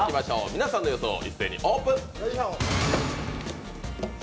皆さんの予想一斉にオープン！